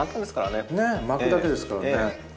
ねっ巻くだけですからね。